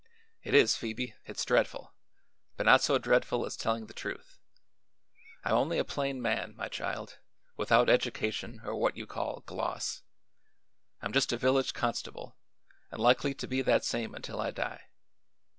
"It is, Phoebe; it's dreadful; but not so dreadful as telling the truth. I'm only a plain man, my child, without education or what you call 'gloss'; I'm just a village constable, an' likely to be that same until I die.